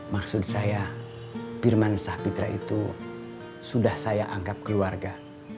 maksud saya firman sapitra itu sudah saya anggap keluarga